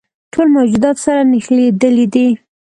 ټول موجودات سره نښلیدلي دي.